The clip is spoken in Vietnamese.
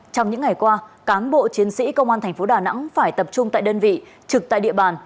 trong những ngày qua cán bộ chiến sĩ công an thành phố đà nẵng phải tập trung tại đơn vị trực tại địa bàn